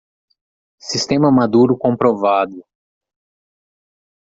Sistema maduro comprovado